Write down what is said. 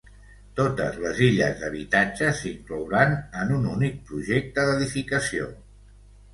Totes les illes d'habitatges s'inclouran en un únic projecte d'edificació.